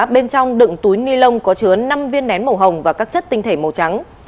bên trong đựng túi ni lông có chứa năm viên nén màu hồng và các chất tinh thể màu trắng